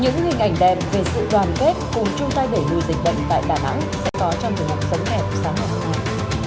những hình ảnh đẹp về sự đoàn kết cùng chung tay đẩy đùi dịch vận tại đà nẵng sẽ có trong thường hợp sống hẹp sáng ngày hôm nay